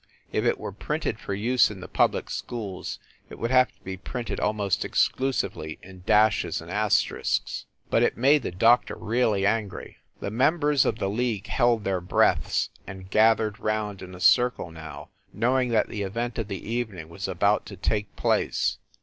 If it were printed for use in the public schools, it would have to be printed almost exclu sively in dashes and asterisks. But it made the doctor really angry. The mem THE SUBWAY EXPRESS 199 bers of the league held their breaths, and gathered round in a circle now, knowing that the event of the evening was about to take place.